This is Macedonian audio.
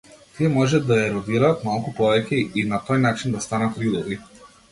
Тие може да еродираат малку повеќе и, на тој начин, да станат ридови.